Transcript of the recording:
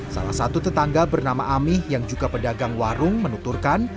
salah satu tetangga bernama amih yang juga pedagang warung menuturkan